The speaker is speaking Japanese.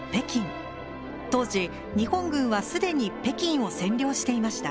当時日本軍はすでに北京を占領していました。